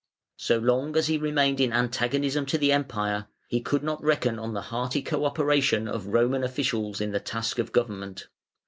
So long as he remained in antagonism to the Empire, he could not reckon on the hearty co operation of Roman officials in the task of government.